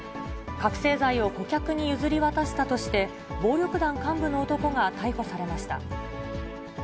覚醒剤を顧客に譲り渡したとして、暴力団幹部の男が逮捕されました。